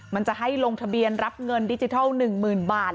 มันจะให้ลงทะเบียนรับเงินดิจิทัลหนึ่งหมื่นบาท